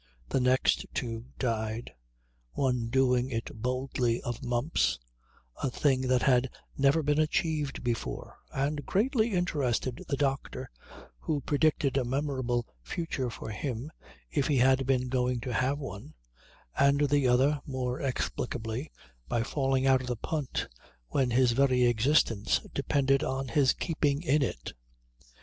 The next two died, one doing it boldly of mumps, a thing that had never been achieved before and greatly interested the doctor, who predicted a memorable future for him if he had been going to have one, and the other, more explicably, by falling out of the punt when his very existence depended on his keeping in it.